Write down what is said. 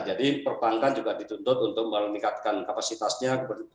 jadi perbankan juga dituntut untuk meningkatkan kapasitasnya termasuk pasar modal